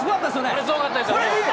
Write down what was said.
これ、すごかったですよ。